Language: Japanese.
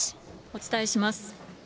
お伝えします。